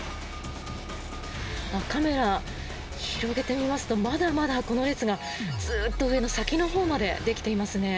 カメラ、広げてみますとまだまだこの列がずっと先のほうまでできていますね。